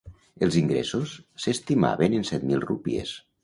Els ingressos s'estimaven en set mil rúpies.